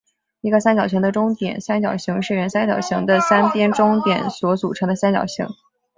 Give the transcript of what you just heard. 一个三角形的中点三角形是原三角形的三边的中点所组成的三角形。